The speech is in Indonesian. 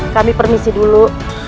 kami permisi dulu